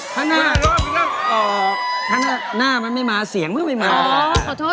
พี่น่าเออหน้ามันไม่มาเสียงไม่มาด้วย